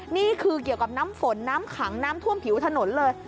นี่คือเกี่ยวกับน้ำฝนน้ำขังน้ำท่วมผิวถนนเลย